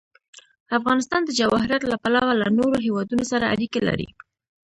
افغانستان د جواهرات له پلوه له نورو هېوادونو سره اړیکې لري.